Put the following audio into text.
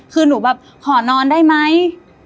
คือหนูแบบขอนอนได้ไหม